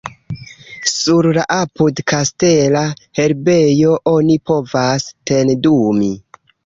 Sur la apud-kastela herbejo oni povas tendumi.